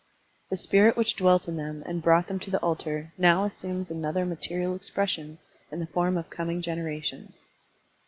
The spirit which dwelt in them and brought them to the altar now assumes another material expression in the form of coming genera tions.